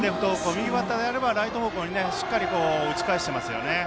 右バッターであればライト方向に打ち返していますね。